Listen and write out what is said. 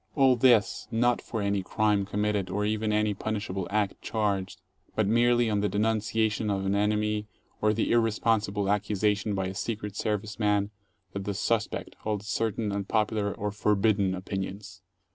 All this, not for any crime committed or even any punishable act charged, but merely on the denunciation of an enemy or the irresponsible 17 accusation by a Secret Service man that the "suspect" holds cer tain unpopular or "forbidden" opinions.